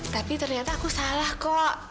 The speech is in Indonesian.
tapi ternyata aku salah kok